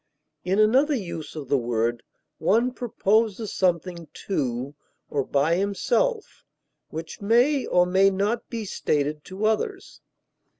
In another use of the word, one proposes something to or by himself which may or may not be stated to others.